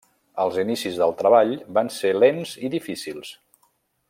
Els inicis del treball van ser lents i difícils.